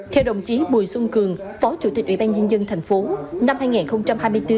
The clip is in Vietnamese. theo đồng chí bùi xuân cường phó chủ tịch ủy ban nhân dân tp năm hai nghìn hai mươi bốn